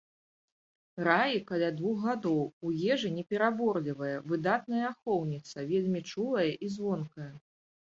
Раі каля двух гадоў, у ежы не пераборлівая, выдатная ахоўніца, вельмі чулая і звонкая.